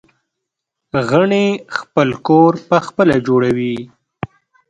غڼې خپل کور پخپله جوړوي